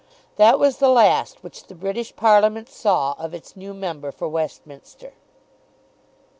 That was the last which the British Parliament saw of its new member for Westminster.